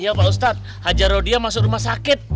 iya pak ustadz haji rodia masuk rumah sakit